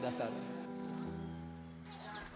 dan juga kemampuan pendidikan